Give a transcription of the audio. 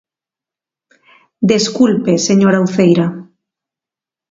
Desculpe, señora Uceira.